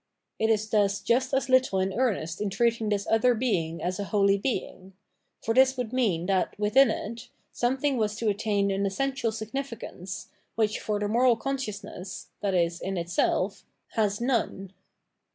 It is thus jxist as little in earnest in treating this other being as a holy being ; for this would mean that, within it, something was to attain an essential significance, which, for the moral consciousness, i.e. in itself, has none.